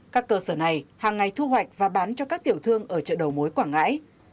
các cơ sở này hàng ngày thu hoạch và bán cho các tiểu thương ở chợ đầu mối quảng ngãi